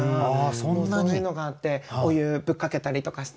もうそういうのがあってお湯ぶっかけたりとかして。